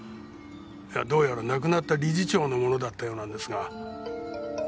どうやら亡くなった理事長のものだったようなんですが。